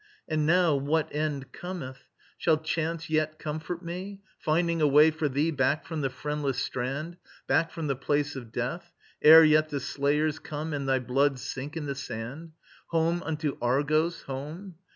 And now, what end cometh? Shall Chance yet comfort me, Finding a way for thee Back from the Friendless Strand, Back from the place of death Ere yet the slayers come And thy blood sink in the sand Home unto Argos, home?